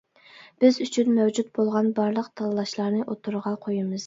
بىز ئۈچۈن مەۋجۇت بولغان بارلىق تاللاشلارنى ئوتتۇرىغا قويىمىز.